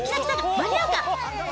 間に合うか。